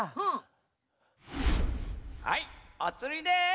はいおつりです！